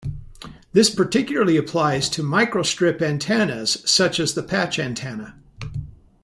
This particularly applies to microstrip antennas such as the patch antenna.